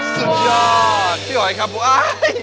สุดยอดพี่หอยครับพี่อาย